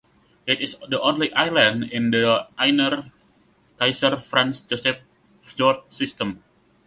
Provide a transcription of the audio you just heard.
It is the only island in the inner Kaiser Franz Joseph Fjord system.